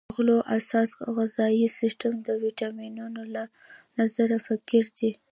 د غلو اساس غذایي سیستم د ویټامینونو له نظره فقیر دی.